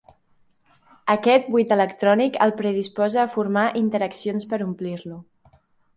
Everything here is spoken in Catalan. Aquest buit electrònic el predisposa a formar interaccions per omplir-lo.